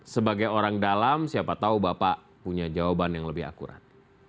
sebagai orang dalam siapa tahu bapak punya jawaban yang lebih akurat